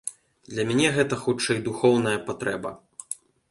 Для мяне гэта, хутчэй, духоўная патрэба.